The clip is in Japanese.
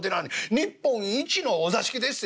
日本一のお座敷でっせ！